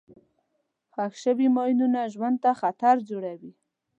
ښخ شوي ماینونه ژوند ته خطر جوړوي.